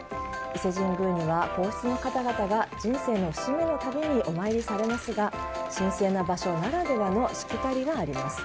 伊勢神宮には皇室の方々が人生の節目の度にお参りされますが神聖な場所ならではのしきたりがあります。